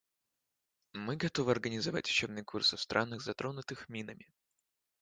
Мы готовы организовать учебные курсы в странах, затронутых минами.